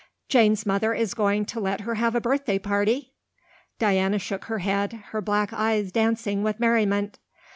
"Jane's mother is going to let her have a birthday party?" Diana shook her head, her black eyes dancing with merriment.